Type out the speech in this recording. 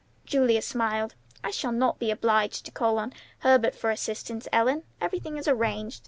Julia smiled. "I shall not be obliged to call on Herbert for assistance, Ellen. Everything is arranged.